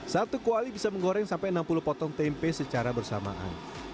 satu kuali bisa menggoreng sampai enam puluh potong tempe secara bersamaan